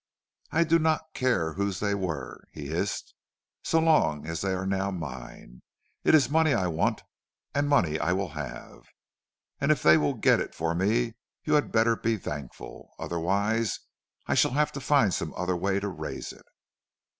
"'I do not care whose they were,' he hissed, 'so long as they are now mine. It is money I want, and money I will have, and if they will get it for me you had better be thankful. Otherwise I shall have to find some other way to raise it.'